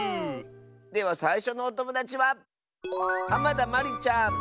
ではさいしょのおともだちはまりちゃんの。